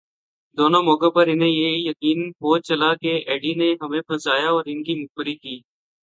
دونوں موقعوں پر انھیں یہ یقین ہو چلا کہ ایڈی نے ہی انھیں پھنسایا اور ان کی مخبری کی ہے۔